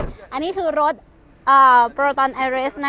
หลายคนบอกว่าอยากดูข้างนอกด้วย